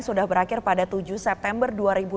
sudah berakhir pada tujuh september dua ribu dua puluh